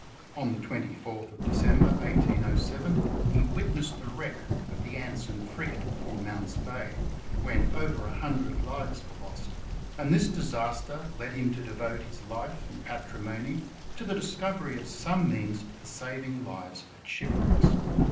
On 24 Dec. 1807 he witnessed the wreck of the Anson frigate in Mount's Bay, when over a hundred bves were lost, and this disaster led him to devote his life and patrimony to the discovery of some means lor saving lives at shipwrecks.